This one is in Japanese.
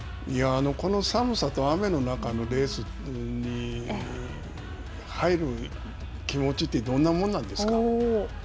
この寒さと雨の中のレースに入る気持ちってどんなもんなんですか。